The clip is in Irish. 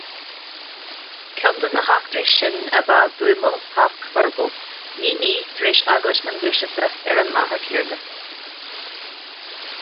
Ceann de na heachtraí sin ab ea buamáil Theach Furbo naoi mí tar éis agóid na Gluaiseachta ar an láthair chéanna.